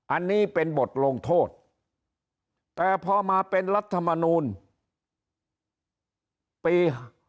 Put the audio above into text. อันนี้เป็นบทลงโทษแต่พอมาเป็นรัฐมนูลปี